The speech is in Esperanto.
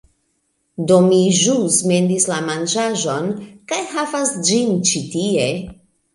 Do mi ĵus mendis la manĝaĵon, kaj havas ĝin ĉi tie...